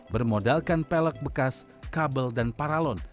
bermodalkan pelek bekas kabel dan paralon